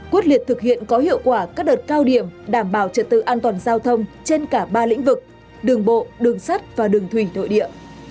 quyết liệt thực hiện có hiệu quả các đợt cao điểm đảm bảo trật tự an toàn giao thông trên cả ba lĩnh vực đường bộ đường sắt và đường thủy nội địa